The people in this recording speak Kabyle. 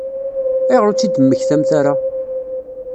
Ayɣer ur tt-id-temmektamt ara?